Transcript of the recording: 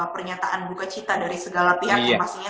pernyataan buka cita dari segala pihak ya mas ya semuanya